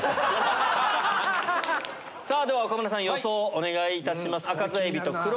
さぁ岡村さん予想お願いいたします。